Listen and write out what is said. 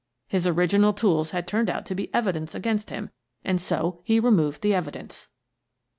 His original tools had turned out to be evidence against him, and so he removed the evidence."